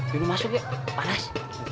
dunu masuk ya panas